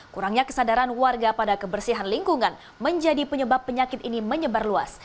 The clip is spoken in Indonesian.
kurangnya kesadaran warga pada kebersihan lingkungan menjadi penyebab penyakit ini menyebar luas